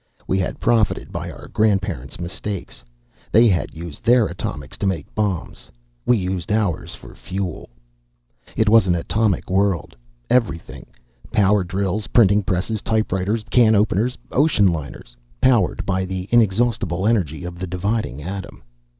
We had profited by our grandparents' mistakes. They had used their atomics to make bombs. We used ours for fuel. It was an atomic world. Everything: power drills, printing presses, typewriters, can openers, ocean liners, powered by the inexhaustible energy of the dividing atom.